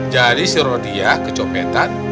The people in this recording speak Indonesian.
jadi si rodia kecopetan